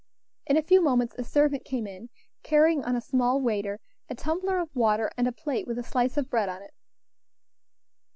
In a few moments a servant came in, carrying on a small waiter a tumbler of water, and a plate with a slice of bread on it.